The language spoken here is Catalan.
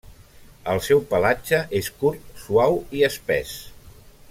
El seu pelatge és curt, suau i espès.